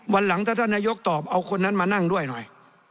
วันหลังถ้าท่านนายกตอบเอาคนนั้นมานั่งด้วยหน่อย